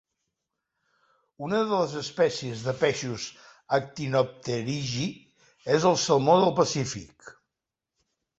Una de les espècies de peixos actinopterigi és el salmó del Pacífic.